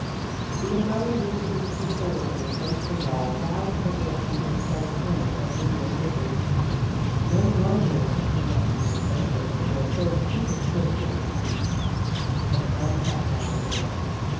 ' The umbrella leaning disconsolately against the wall roused recollections of Estelle's comment on New York winters. No wonder that she could not preserve friendship with a girl so hypercritical in every respect ; and Anne sat down at her desk.